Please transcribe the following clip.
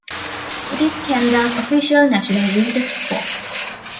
It is Canada's official national winter sport.